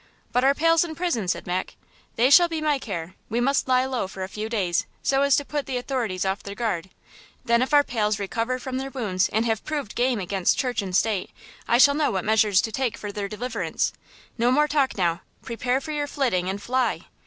"But our pals in prison!" said Mac. "They shall be my care. We must lie low for a few days, so as to put the authorities off their guard. Then if our pals recover from their wounds and have proved game against Church and State, I shall know what measures to take for their deliverance! No more talk now–prepare for your flitting and fly!"